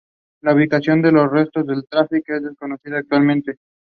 Syria has an embassy in Caracas and Venezuela has an embassy in Damascus.